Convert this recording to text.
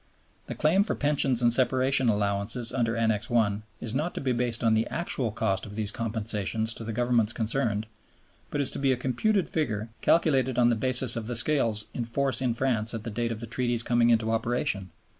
The claim for Pensions and Separation Allowances under Annex I. is not to be based on the actual cost of these compensations to the Governments concerned, but is to be a computed figure calculated on the basis of the scales in force in France at the date of the Treaty's coming into operation.